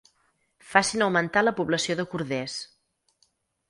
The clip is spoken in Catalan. Facin augmentar la població de corders.